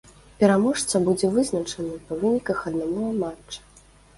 Пераможца будзе вызначаны па выніках аднаго матча.